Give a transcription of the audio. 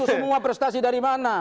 semua prestasi dari mana